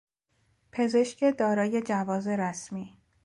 پزشک دارای جواز رسمی